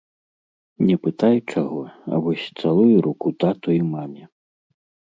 Не пытай чаго, а вось цалуй руку тату і маме!